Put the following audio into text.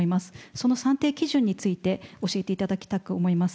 その算定基準について教えていただきたく思います。